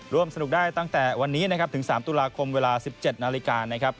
ร่วมสนุกได้ตั้งแต่วันนี้ถึง๓ตุลาคมเวลา๑๗น